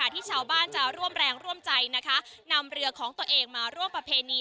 ที่ชาวบ้านจะร่วมแรงร่วมใจนะคะนำเรือของตัวเองมาร่วมประเพณี